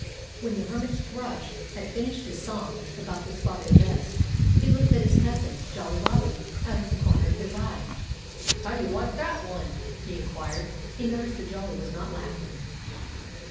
When the Hermit Thrush had finished his song about the spotted vest, he looked at his cousin Jolly Robin out of the corner of his eye. "How do you like that one?" he inquired. He noticed that Jolly was not laughing.